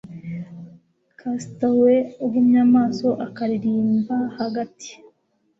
Castaway uhumye amaso akaririmba hagati